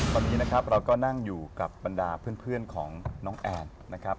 ตอนนี้นะครับเราก็นั่งอยู่กับบรรดาเพื่อนของน้องแอนนะครับ